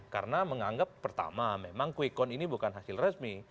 karena menganggap pertama memang kwekon ini bukan hasil resmi